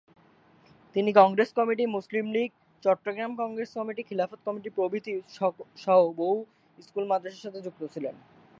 তিনি Congress committee, Muslim League, Chittagong Congress committee, Khilafat committee প্রভৃতি সহ বহু স্কুল- মাদ্রাসার সাথে যুক্ত ছিলেন।